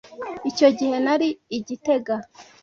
Icyo gihe nari i gitega.